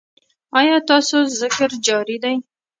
ایا ستاسو ذکر جاری دی؟